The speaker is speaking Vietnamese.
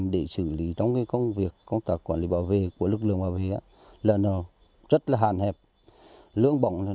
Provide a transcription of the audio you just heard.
để xử lý trong công việc công tác quản lý bảo vệ của lực lượng bảo vệ lần nào rất là hàn hẹp lưỡng bỏng